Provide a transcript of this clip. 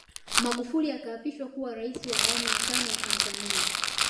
Magufuli akaapishwa kuwa Rais wa Awamuya Tano wa Tanzania